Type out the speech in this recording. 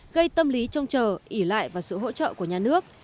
gây tâm lý trông chờ ỉ lại vào sự hỗ trợ của nhà nước